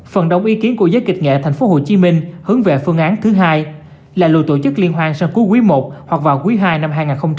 phần đông ý kiến của giới kịch nghệ tp hcm hướng về phương án thứ hai là lùi tổ chức liên hoan sân cuối quý i hoặc vào quý ii năm hai nghìn hai mươi bốn